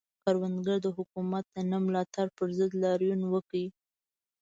کروندګرو د حکومت د نه ملاتړ پر ضد لاریون وکړ.